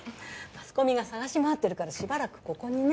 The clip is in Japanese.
マスコミが探し回ってるからしばらくここにね。